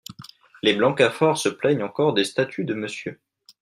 Les Blancafort se plaignent encore des statues de Monsieur.